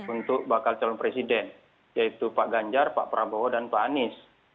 untuk bakal calon presiden yaitu pak ganjar pak prabowo dan pak anies